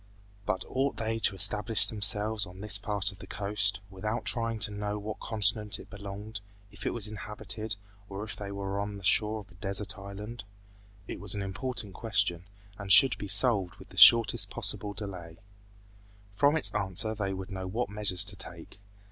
But ought they to establish themselves on this part of the coast, without trying to know to what continent it belonged, if it was inhabited, or if they were on the shore of a desert island? It was an important question, and should be solved with the shortest possible delay. From its answer they would know what measures to take.